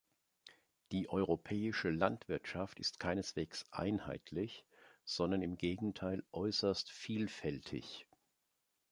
Die europäische Landwirtschaft ist keineswegs einheitlich, sondern im Gegenteil äußerst vielfältig.